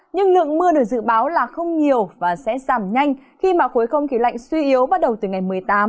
nhưng lượng mưa được dự báo là không nhiều và sẽ giảm nhanh khi mà khối không khí lạnh suy yếu bắt đầu từ ngày một mươi tám